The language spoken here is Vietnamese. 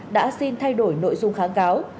đã xin thay đổi nội dung kháng cáo